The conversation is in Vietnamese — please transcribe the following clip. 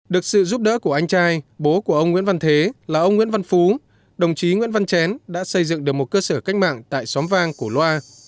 được sự giúp đỡ của anh trai bố của ông nguyễn văn thế là ông nguyễn văn phú đồng chí nguyễn văn chén đã xây dựng được một cơ sở cách mạng tại xóm vang cổ loa